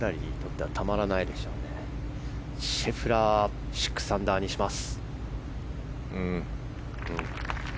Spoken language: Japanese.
シェフラー６アンダーにします。